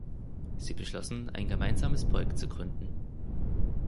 Sie beschlossen, ein gemeinsames Projekt zu gründen.